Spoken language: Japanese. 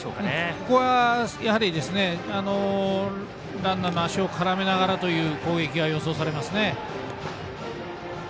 ここはやはりランナーの足を絡めながらという攻撃が予想されますね。